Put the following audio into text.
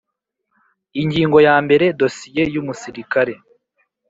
Ingingo ya mbere Dosiye y umusirikare